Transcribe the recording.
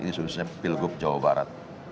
ini khususnya pilgub jawa barat